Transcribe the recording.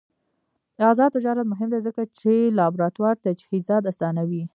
آزاد تجارت مهم دی ځکه چې لابراتوار تجهیزات اسانوي.